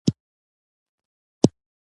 خو د هغه هڅې هیڅ پایله او ګټه نه لري